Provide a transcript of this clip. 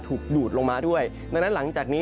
ดูดลงมาด้วยดังนั้นหลังจากนี้